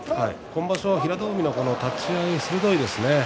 今場所は平戸海の立ち合い、鋭いですね。